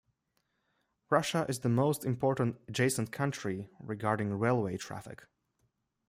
Russia is the most important adjacent country regarding railway traffic.